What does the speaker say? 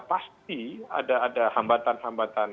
pasti ada hambatan hambatan